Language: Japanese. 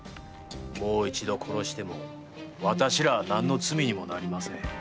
もう一度殺しても私らは何の罪にもなりません。